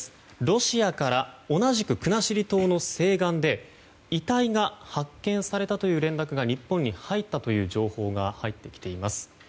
ロシアから同じく国後島の西岸で遺体が発見されたという連絡が日本に入ったという情報が入ってきています。